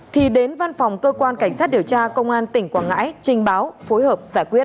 thì đến văn phòng cơ quan cảnh sát điều tra công an tỉnh quảng ngãi trình báo phối hợp giải quyết